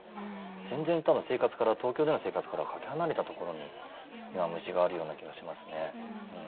全然多分東京での生活からはかけ離れたところに今虫があるような気がしますね。